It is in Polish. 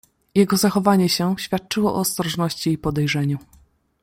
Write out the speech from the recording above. "Jego zachowanie się świadczyło o ostrożności i podejrzeniu."